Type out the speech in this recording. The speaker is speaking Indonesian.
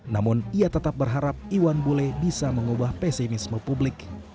namun ia tetap berharap iwan bule bisa mengubah pesimisme publik